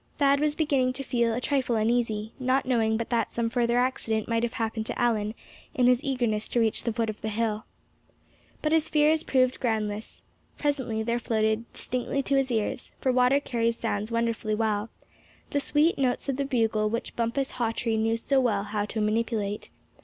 Thad was beginning to feel a trifle uneasy, not knowing but that some further accident might have happened to Allan, in his eagerness to reach the foot of the hill. But his fears proved groundless. Presently there floated distinctly to his ears, for water carries sounds wonderfully well, the sweet notes of the bugle which Bumpus Hawtree knew so well how to manipulate.